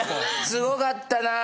すごかったなぁ。